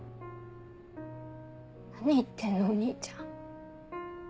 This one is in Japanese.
何言ってんのお兄ちゃん。